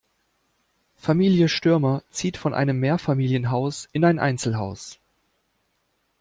Familie Stürmer zieht von einem Mehrfamilienhaus in ein Einzelhaus.